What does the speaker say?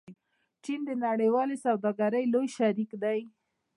چین د نړیوالې سوداګرۍ لوی شریک دی.